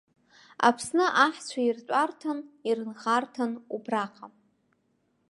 Аԥсны аҳцәа иртәарҭан, ирынхарҭан убраҟа.